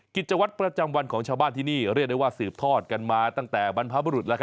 กิจวัตรประจำวันของชาวบ้านที่นี่เรียกได้ว่าสืบทอดกันมาตั้งแต่บรรพบุรุษ